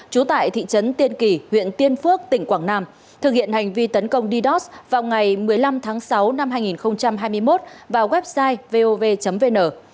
trú tại thị trấn tiên kỳ huyện tiên phước tỉnh quảng nam thực hiện hành vi tấn công deos vào ngày một mươi năm tháng sáu năm hai nghìn hai mươi một vào website vov vn